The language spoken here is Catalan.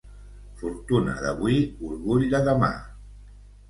Fortuna d'avui, orgull de demà.